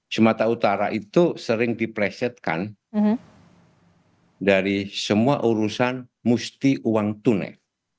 sumatera utara itu sering diplesetkan dari semua urusan mesti uang tunai